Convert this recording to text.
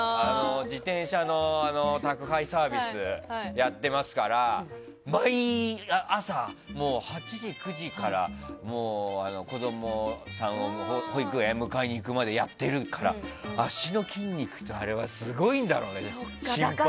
自転車の宅配サービスをやっていますから毎朝８時、９時から子供さんを保育園に迎えに行くまでやっているから足の筋肉はすごいんだろうね。